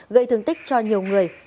gây thương tích cho nhiều người